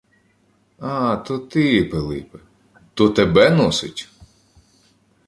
— А, то ти, Пилипе! То тебе носить?